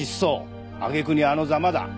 揚げ句にあのざまだ。